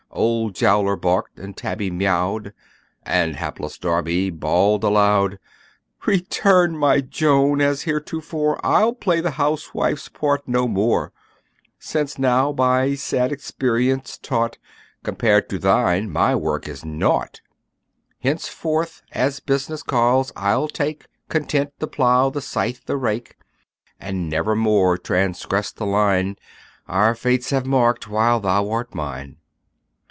Old Jowler barked, and Tabby mewed, And hapless Darby bawled aloud, "Return, my Joan, as heretofore, I'll play the housewife's part no more: Since now, by sad experience taught, Compared to thine my work is naught; Henceforth, as business calls, I'll take, Content, the plough, the scythe, the rake, And never more transgress the line Our fates have marked, while thou art mine.